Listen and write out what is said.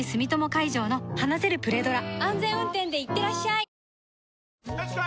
安全運転でいってらっしゃいよしこい！